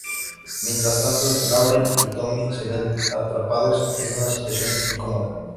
Mientras tanto, Laurel y Tommy se ven atrapados en una situación incómoda.